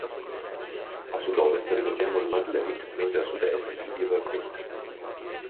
A sud-ovest ritroviamo il "Mud Lake", mentre a sud-est il "Beaver Creek".